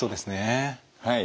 はい。